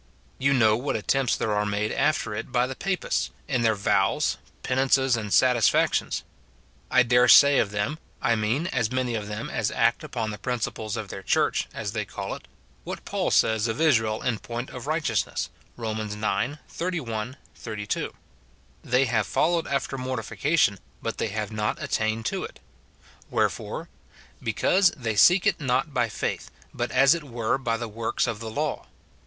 You know what attempts there are made after it by the Papists, in their vows, penances, and satisfactions. I dare say of them (1 mean as many of them as act upon the principles of their church, as they call it) what Paul says of Israel in point of righteousness, Rom. ix. 31, 32, — They have followed after mortification, but they have not attained to it. "Wherefore ?" Because they seek it not by faith, but as it were by the works of the law."